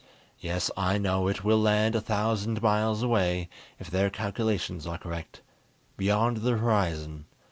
Yes, I know, it will land a thousand miles away, if their calculations are correct. Beyond the horizon.